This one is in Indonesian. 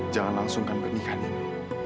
jangan langsungkan bernikah ini